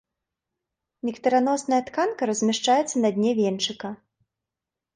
Нектараносная тканка размяшчаецца на дне венчыка.